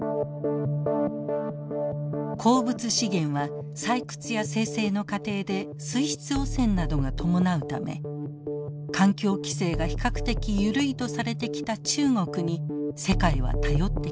鉱物資源は採掘や精製の過程で水質汚染などが伴うため環境規制が比較的緩いとされてきた中国に世界は頼ってきました。